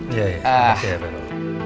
iya iya terima kasih ya vero